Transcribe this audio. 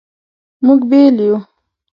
مونږ بیل یو